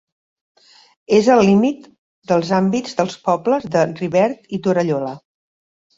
És al límit dels àmbits dels pobles de Rivert i Torallola.